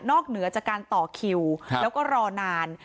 เหนือจากการต่อคิวแล้วก็รอนาน